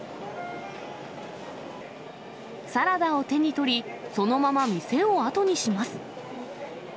サラダを手に取り、そのまま店を後にします。